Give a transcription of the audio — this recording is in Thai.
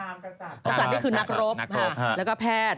กษัตริย์นี่คือนักรบแล้วก็แพทย์